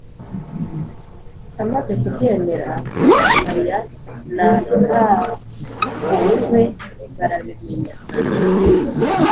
amaze kubyemera ruhamanya na ntamhuhwe barabimenya.,